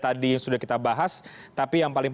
tadi yang sudah kita bahas tapi yang paling